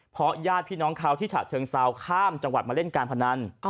เพราะญาติพี่น้องเขาที่ฉะเชิงเซาข้ามจังหวัดมาเล่นการพนัน